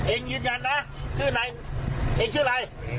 ยืนยันนะชื่อนายเองชื่ออะไร